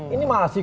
ini masih kok